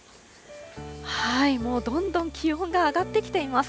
もうどんどん気温が上がってきています。